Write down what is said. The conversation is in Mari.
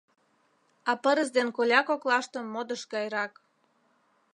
А пырыс ден коля коклаште модыш гайрак.